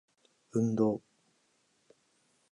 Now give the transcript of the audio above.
運動